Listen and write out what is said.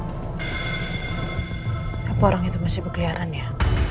kenapa orang itu masih berkeliaran ya